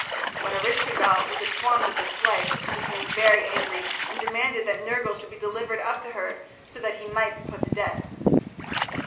When Eresh ki gal was informed of this slight she became very angry, and demanded that Nergal should be delivered up to her so that he might be put to death.